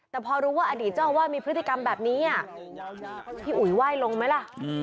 แต่พอรู้ว่าอดีตเจ้าอาวาสมีพฤติกรรมแบบนี้พี่อุ๋ยไหว้ลงไหมล่ะ